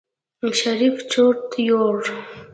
شريف چورت يوړ.